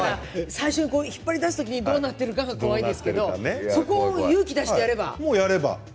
最初引っ張り出す時にどうなっているかが怖いですけどそこを勇気出してやれば。